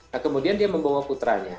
nah kemudian dia membawa putranya